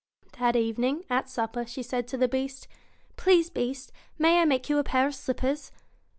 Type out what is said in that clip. That evening, at supper, she said to the Beast: ' Please, Beast ! may I make you a pair of slippers?